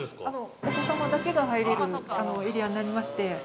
◆お子様だけが入れるエリアになりまして。